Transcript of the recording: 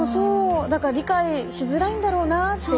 だから理解しづらいんだろうなって。